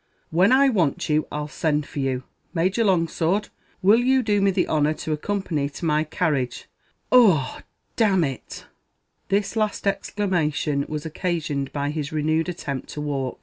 when I want you, I'll send for you. Major Longsword, will you do me the honour to accompany me to my carriage ugh, d n it!" This last exclamation was occasioned by his renewed attempt to walk.